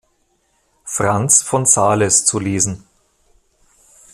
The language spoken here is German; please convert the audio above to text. Franz von Sales zu lesen.